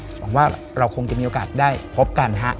หวังว่าเราคงจะมีโอกาสได้พบกันฮะ